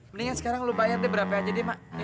mendingan sekarang lu bayar deh berapa aja deh pak